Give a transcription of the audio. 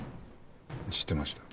知ってました。